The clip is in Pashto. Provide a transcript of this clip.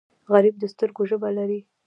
غریب د سترګو ژبه لري